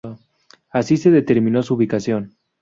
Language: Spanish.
Así se determinó su ubicación.